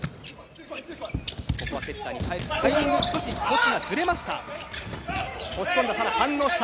タイミング少しトスがずれました。